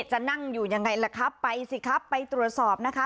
จะนั่งอยู่ยังไงล่ะครับไปสิครับไปตรวจสอบนะคะ